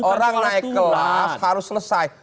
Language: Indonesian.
orang naik kelas harus selesai